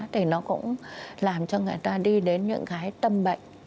thì nó cũng làm cho người ta đi đến những cái tâm bệnh